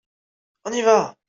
On y va !